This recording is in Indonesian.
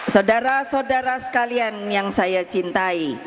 saudara saudara sekalian yang saya cintai